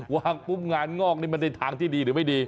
วางปุ๊บงานงอกท่างที่ดีหรือไม่ดี